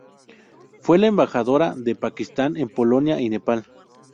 Fue la embajadora de Pakistán en Polonia y Nepal.